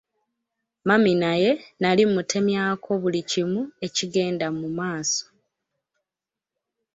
Mami naye nali mmutemyako buli kimu ekigenda mu maaso.